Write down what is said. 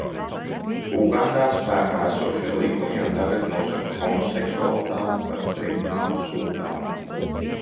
Ugandā spēkā esošie likumi jau tagad nosaka homoseksualitāti par krimināli sodāmu.